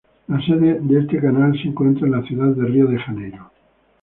La sede de este canal se encuentra en la ciudad de Rio de Janeiro.